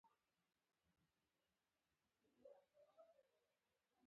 الاریک په څلور سوه اته کال کې پرضد جنګېده.